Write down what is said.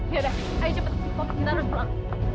yaudah ayo cepetan kita harus pulang